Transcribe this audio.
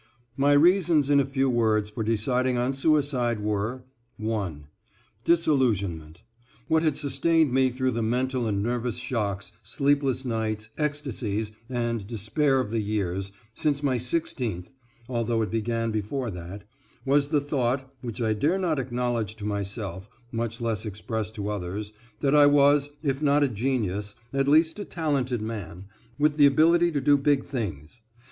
My reasons, in a few words, for deciding on suicide were: (1) Disillusionment. What had sustained me through the mental and nervous shocks, sleepless nights, ecstasies, and despair of the years, since my sixteenth (although it began before that) was the thought, which I dare not acknowledge to myself, much less express to others, that I was, if not a genius, at least a talented man, with the ability to do big things.